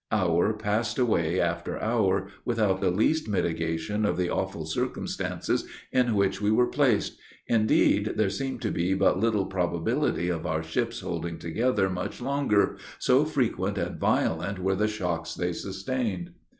Hour passed away after hour without the least mitigation of the awful circumstances in which we were placed. Indeed, there seemed to be but little probability of our ships holding together much longer, so frequent and violent were the shocks they sustained.